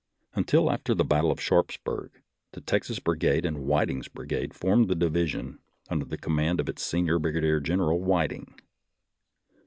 Until after the battle of Sharpsburg the Texas Brigade and Whiting's brigade formed a divi sion under the command of its senior brigadier general, Whiting.